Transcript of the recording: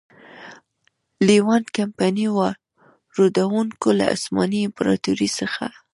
لېوانټ کمپنۍ واردوونکو له عثماني امپراتورۍ څخه.